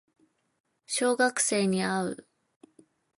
小学生に会う